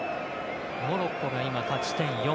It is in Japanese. モロッコが今、勝ち点４。